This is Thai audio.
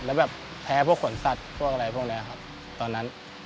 แล้วแบบแพ้พวกขนสัตว์พวกอะไรพวกนี้ครับตอนนั้น